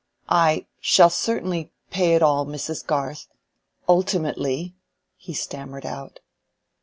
"I shall certainly pay it all, Mrs. Garth—ultimately," he stammered out.